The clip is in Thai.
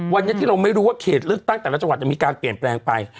วันนี้ที่เราไม่รู้ว่าเขตเลือกตั้งแต่ละจังหวัดมีการเปลี่ยนแปลงไป